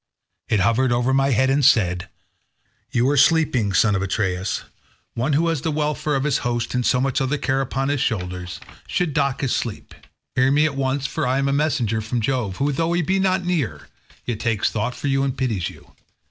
It hovered over my head and said, 'You are sleeping, son of Atreus; one who has the welfare of his host and so much other care upon his shoulders should dock his sleep. Hear me at once, for I am a messenger from Jove, who, though he be not near, yet takes thought for you and pities you.